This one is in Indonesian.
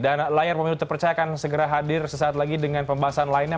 dan layar pemilu terpercayakan segera hadir sesaat lagi dengan pembahasan lainnya